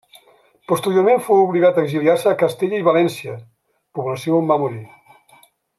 Posteriorment fou obligat a exiliar-se a Castella i València, població on va morir.